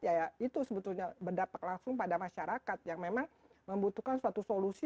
ya itu sebetulnya berdampak langsung pada masyarakat yang memang membutuhkan suatu solusi